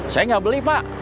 saya nggak beli pak